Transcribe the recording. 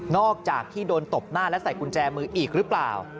อกจากที่โดนตบหน้าและใส่กุญแจมืออีกหรือเปล่า